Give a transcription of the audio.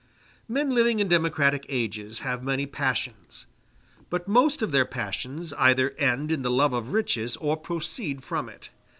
Men living in democratic ages have many passions, but most of their passions either end in the love of riches or proceed from it.